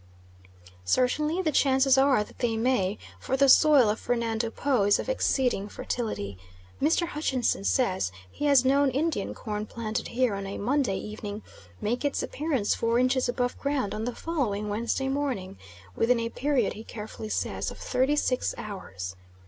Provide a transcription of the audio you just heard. Certainly the chances are that they may, for the soil of Fernando Po is of exceeding fertility; Mr. Hutchinson says he has known Indian corn planted here on a Monday evening make its appearance four inches above ground on the following Wednesday morning, within a period, he carefully says, of thirty six hours.